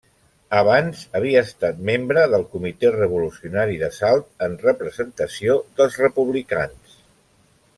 Abans havia estat membre del comitè revolucionari de Salt, en representació dels republicans.